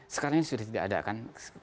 sekarang ini sudah tidak ada kan